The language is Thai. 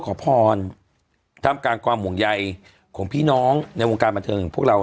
ขอพลท่ำการความภงใหญ่ของพี่น้องเนี่ยวงการบันเทิงพวกเรา